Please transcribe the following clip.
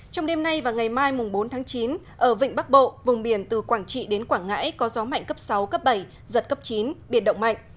trong đêm nay và ngày mai bốn tháng chín ở vịnh bắc bộ vùng biển từ quảng trị đến quảng ngãi có gió mạnh cấp sáu cấp bảy giật cấp chín biệt động mạnh